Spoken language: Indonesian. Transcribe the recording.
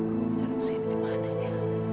jangan bersin di mana ya